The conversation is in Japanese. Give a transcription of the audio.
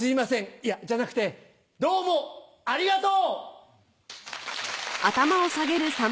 いやじゃなくてどうもありがとう！